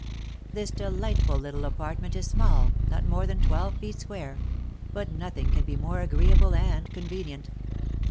This de lightful little apartment is small, not more than twelve feet square ; but nothing can be more agreeable and convenient.